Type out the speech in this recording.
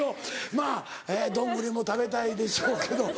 まぁドングリも食べたいでしょうけど。